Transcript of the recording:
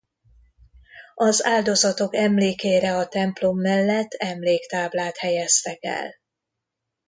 Az áldozatok emlékére a templom mellett emléktáblát helyeztek el.